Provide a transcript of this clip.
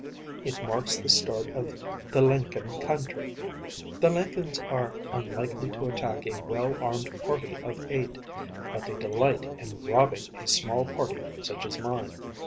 It marks the start of the Lenken country. The Lenkens are unlikely to attack a well armed party of eight. But they delight in robbing a small party such as mine.